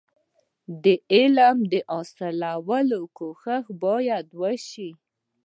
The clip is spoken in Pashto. علم د حاصلولو کوښښ باید وسي.